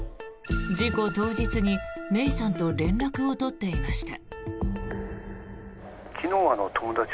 事故当日に、芽生さんと連絡を取っていました。